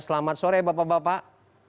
selamat sore bapak bapak